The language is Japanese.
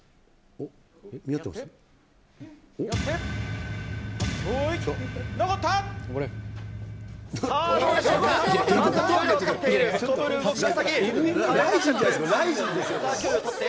見合ってます？